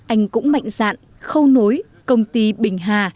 anh cũng mạnh dạn khâu nối công ty bình hà